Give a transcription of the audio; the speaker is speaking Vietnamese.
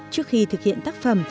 trước khi thực hiện tác phẩm